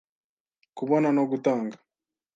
Kubona no gutanga